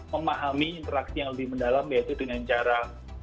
memahami interaksi yang lebih mendalam yaitu dengan cara